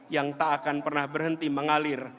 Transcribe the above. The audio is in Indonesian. yang tak akan pernah berhenti mengalir